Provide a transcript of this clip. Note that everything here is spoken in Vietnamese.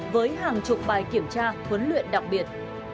với hàng chục bài kiểm tra huấn luyện đặc biệt